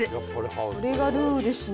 これがルーですね。